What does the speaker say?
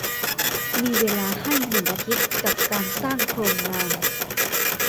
มีเวลาให้หนึ่งอาทิตย์กับการสร้างโครงงาน